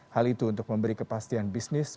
hal itu untuk memberi kepastian bisnis